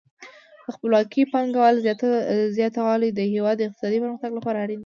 د خپلواکې پانګونې زیاتوالی د هیواد د اقتصادي پرمختګ لپاره اړین دی.